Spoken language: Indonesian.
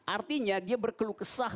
artinya dia berkeluh kesah